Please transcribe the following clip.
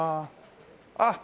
あっ！